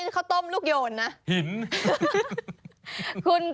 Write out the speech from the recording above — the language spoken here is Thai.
ใช่อย่างนั้น